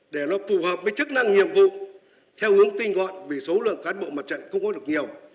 để nó phù hợp với chức năng nhiệm vụ theo hướng tinh gọn vì số lượng cán bộ mặt trận không có được nhiều